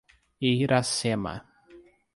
Iracema